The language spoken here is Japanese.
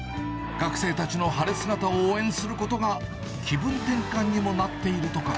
学生たちの晴れ姿を応援することが、気分転換にもなっているとか。